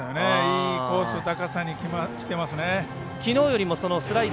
いいコース、高さにきていますね。